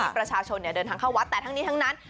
ประชาชนเดินทางเข้าวัดแต่ทั้งนี้ทั้งนั้น